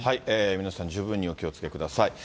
皆さん十分にお気をつけください。